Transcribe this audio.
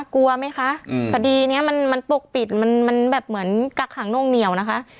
กลัวไหมคะอืมพอดีเนี้ยมันมันปกปิดมันมันแบบเหมือนกักขังโน่งเหนียวนะคะ